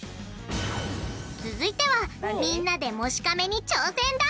続いてはみんなで「もしかめ」に挑戦だ！